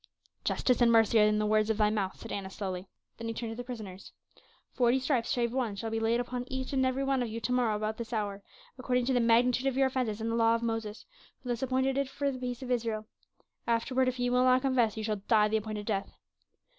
"Justice and mercy are in the words of thy mouth," said Annas slowly. Then he turned to the prisoners: "Forty stripes save one shall be laid upon each and every one of you to morrow at about this hour, according to the magnitude of your offences and the law of Moses, who thus appointed it for the peace of Israel. Afterward if ye will not confess ye shall die the appointed death."